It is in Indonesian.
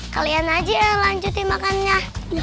kalian aja lanjutin makannya